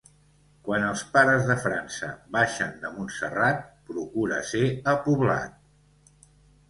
Quan els pares de França baixen de Montserrat procura ser a poblat.